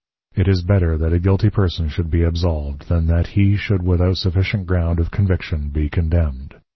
_ It is better that a Guilty Person should be Absolved, than that he should without sufficient ground of Conviction be condemned.